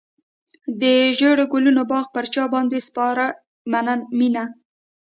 د ژړو ګلو باغ پر چا باندې سپارې مینه.